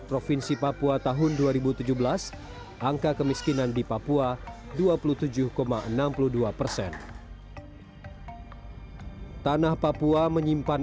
provinsi papua tahun dua ribu tujuh belas angka kemiskinan di papua dua puluh tujuh enam puluh dua persen tanah papua menyimpan